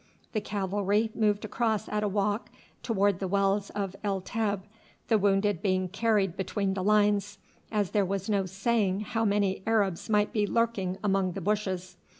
The cavalry moved across at a walk towards the wells of El Teb, the wounded being carried between the lines, as there was no saying how many Arabs might be lurking among the bushes.